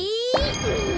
うん。